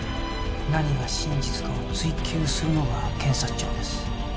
何が真実かを追及するのが検察庁です。